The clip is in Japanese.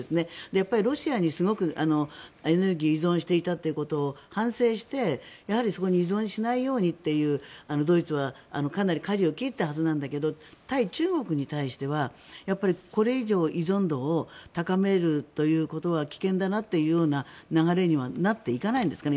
やっぱりロシアにすごくエネルギーを依存していたということを反省して、やはりそこに依存しないようにっていうドイツは、かなりかじを切ったはずなんだけど対中国に対しては、これ以上依存度を高めるということは危険だなという流れにはなっていかないんですかね？